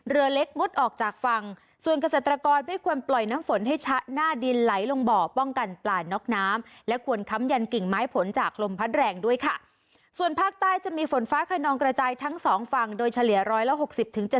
เรือเล็กงดออกจากฝั่งส่วนเกษตรกรไม่ควรปล่อยน้ำฝนให้ชะ